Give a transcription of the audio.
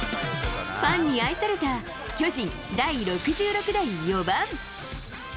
ファンに愛された巨人、第６６代４番。